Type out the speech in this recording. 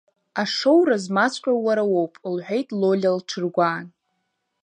Ашоура змаҵәҟьоу уара уоуп, — лҳәеит Лолиа лҽыргәаан.